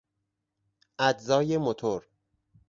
اجزای موتور